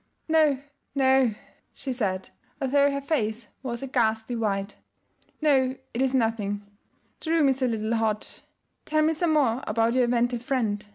'No, no,' she said, although her face was a ghastly white, 'no, it is nothing. The room is a little hot. Tell me some more about your inventive friend.